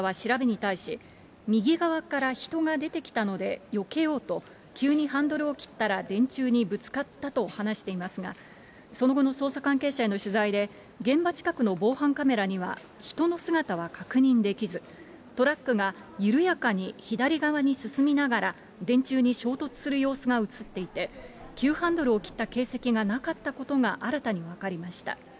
梅沢洋容疑者は調べに対し、右側から人が出てきたので、よけようと急にハンドルを切ったら電柱にぶつかったと話していますが、その後の捜査関係者への取材で、現場近くの防犯カメラには、人の姿は確認できず、トラックが緩やかに左側に進みながら電柱に衝突する様子が写っていて、急ハンドルを切った形跡がなかったことが新たに分かりました。